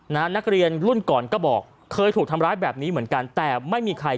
นักเรียนรุ่นก่อนก็บอกเคยถูกทำร้ายแบบนี้เหมือนกันแต่ไม่มีใคร